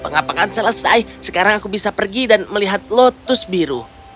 pengapakan selesai sekarang aku bisa pergi dan melihat lotus biru